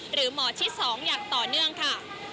หรือหมอชิด๒อย่างต่อเนื่องค่ะ